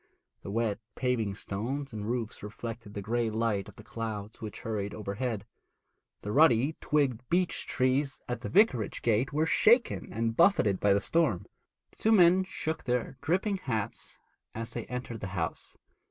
The wet paving stones and roofs reflected the grey light of the clouds which hurried overhead. The ruddy twigged beech trees at the vicarage gate were shaken and buffeted by the storm. The two men shook their dripping hats as they entered the house.